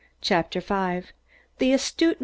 CHAPTER V THE ASTUTE MR.